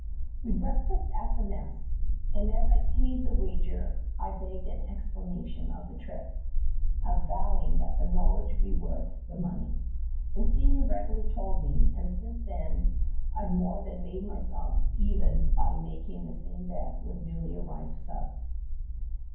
"We breakfasted at the mess, and as I paid the wager I begged an explanation of the triek, avow ing that the knowledge would be worth the mone3^ The senior readily told me, and sinee then I 've more than made myself even b}" making the same bet with newh" arrived subs.